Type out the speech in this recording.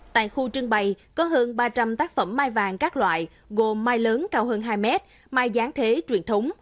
tại khu trưng bày có hơn ba trăm linh tác phẩm mai vàng các loại gồm mai lớn cao hơn hai mét mai gián thế truyền thống